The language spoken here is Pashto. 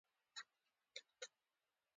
چیري چي زړه ځي، هلته پښې ځي.